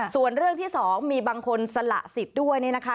ส่วนเรื่องที่สองมีบางคนสละสิทธิ์ด้วยเนี่ยนะคะ